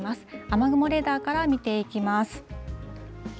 雨雲レーダーから見ていきます。